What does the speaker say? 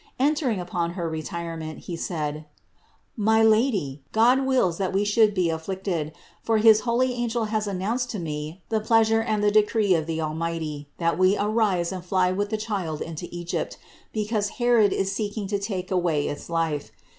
Entering upon her retirement, he said : "My Lady, God wills that we should be afflicted; for his holy angel has announced to me the pleasure and the decree of the Almighty, that we arise and fly with the Child into Egypt, because Herod is seeking to take away its life.